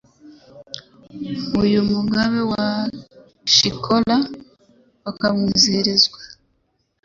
Uyu Mugabe wa Cyikora Bakamwizihirwa .